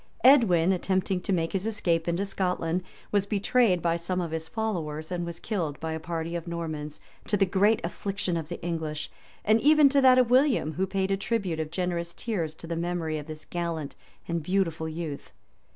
Edwin, attempting to make his escape into Scotland, was betrayed by some of his followers, and was killed by a party of Normans, to the great affliction of the English, and even to that of William, who paid a tribute of generous tears to the memory of this gallant and beautiful youth.